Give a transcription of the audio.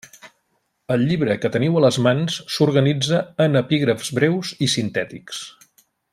El llibre que teniu a les mans s'organitza en epígrafs breus i sintètics.